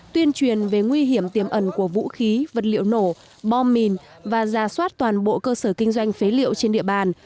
tuyên truyền về nguy hiểm tiềm ẩn của vũ khí vật liệu nổ bom mìn và ra soát toàn bộ cơ sở kinh doanh phế liệu trên địa bàn